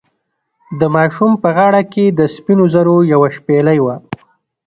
د ماشوم په غاړه کې د سپینو زرو یوه شپیلۍ وه.